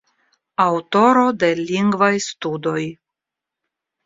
Aŭtoro de lingvaj studoj.